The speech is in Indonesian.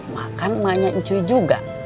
makan emaknya ncuy juga